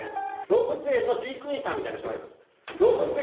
動物園の飼育員さんみたいな人なんですよ。